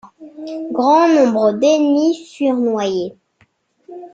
Grand nombre d'ennemis furent noyés.